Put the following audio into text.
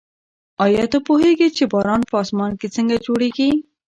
ایا ته پوهېږې چې باران په اسمان کې څنګه جوړېږي؟